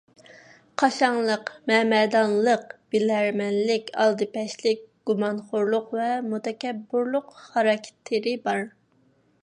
قاشاڭلىق، مەمەدانلىق، بىلەرمەنلىك، ئالدىپەشلىك، گۇمانخورلۇق ۋە مۇتەكەببۇرلۇق خاراكتېرى بار.